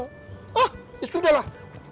hah ya sudahlah